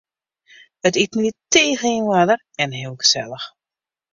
It iten wie tige yn oarder en heel gesellich.